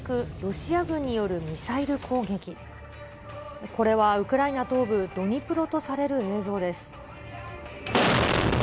１５日、これはウクライナ東部ドニプロとされる映像です。